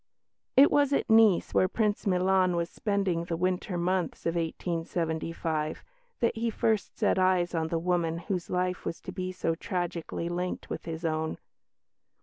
It was at Nice, where Prince Milan was spending the winter months of 1875, that he first set eyes on the woman whose life was to be so tragically linked with his own.